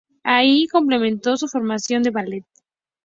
Allí completó su formación de Ballet.